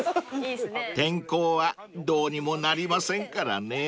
［天候はどうにもなりませんからね］